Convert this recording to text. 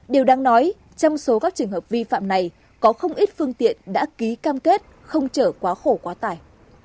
điều đáng nói trong số các trường hợp vi phạm này có không ít phương tiện đã ký cam kết không chở quá khổ quá tải